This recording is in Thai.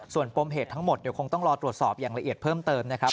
ส่วนปมเหตุทั้งหมดเดี๋ยวคงต้องรอตรวจสอบอย่างละเอียดเพิ่มเติมนะครับ